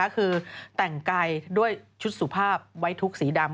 คือแต่งกายด้วยชุดสุภาพไว้ทุกสีดำ